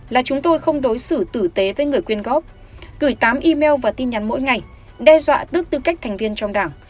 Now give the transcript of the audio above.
là chúng tôi không đối xử tử tế với người quyên góp gửi tám email và tin nhắn mỗi ngày đe dọa tức tư cách thành viên trong đảng